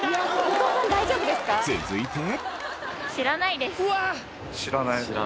続いて。